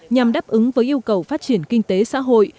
nhằm đáp ứng với yêu cầu phát triển kinh tế xã hội